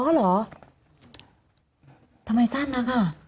อ๋อหรอทำไมสั้นนักอ่ะ